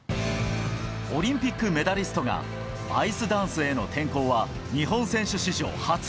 オリンピックメダリストが、アイスダンスへの転向は、日本選手史上初。